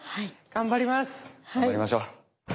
頑張りましょう。